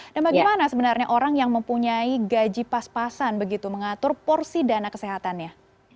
dan bagaimana sebenarnya orang yang mempunyai gaji pas pasan begitu mengatur porsi dana kesehatannya